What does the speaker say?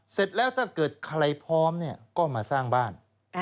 เสร็จแล้วถ้าเกิดใครพร้อมเนี่ยก็มาสร้างบ้าน